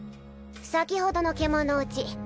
先ほどの獣堕ち